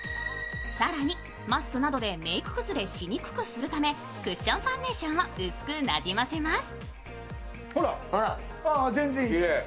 更にマスクなどでメーク崩れしにくくするためクッションファンデーションを薄くなじませます。